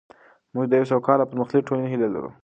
موږ د یوې سوکاله او پرمختللې ټولنې هیله لرو.